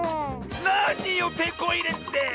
なによテコいれって！